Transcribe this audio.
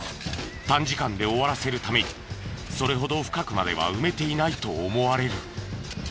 短時間で終わらせるためにそれほど深くまでは埋めていないと思われる。